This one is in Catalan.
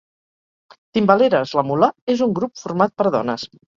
Timbaleres La Mula és un grup format per dones